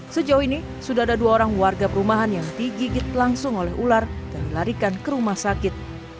sejauh ini sudah ada dua orang warga perumahan yang digigit langsung oleh ular dan dilarikan ke rumah sakit